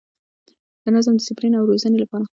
د نظم، ډسپلین او روزنې لپاره